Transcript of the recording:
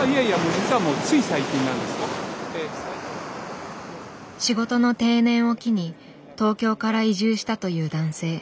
実はもう仕事の定年を機に東京から移住したという男性。